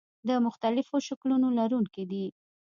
د مختلفو شکلونو لرونکي دي.